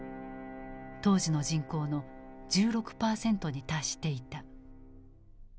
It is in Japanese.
当時の人口の１６％に達していた。